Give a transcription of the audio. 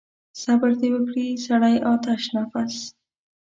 صبر دې وکړي سړی آتش نفس.